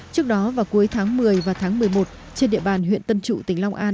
trước đó vào cuối tháng một mươi và tháng một mươi một trên địa bàn huyện tân trụ tỉnh long an